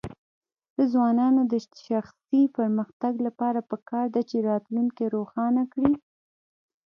د ځوانانو د شخصي پرمختګ لپاره پکار ده چې راتلونکی روښانه کړي.